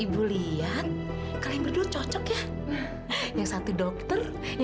bila pernah terbersih dalam benah kakek